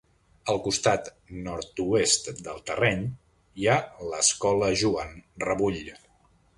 Al costat nord-oest del terreny hi ha l'escola Joan Rebull.